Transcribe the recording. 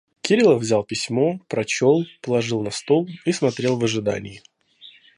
Кириллов взял письмо, прочел, положил на стол и смотрел в ожидании.